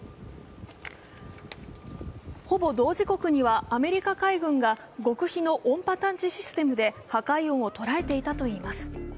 ほぼ同時刻にはアメリカ海軍が極秘の音波探知システムで破壊音を捉えていたといいます。